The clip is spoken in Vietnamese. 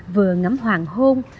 vừa ngắm hoàng hôn